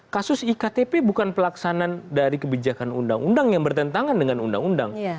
kasus iktp bukan pelaksanaan dari kebijakan undang undang yang bertentangan dengan undang undang